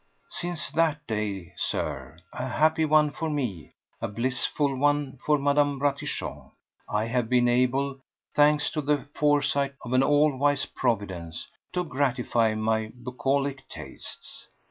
Since that day, Sir—a happy one for me, a blissful one for Mme. Ratichon—I have been able, thanks to the foresight of an all wise Providence, to gratify my bucolic tastes.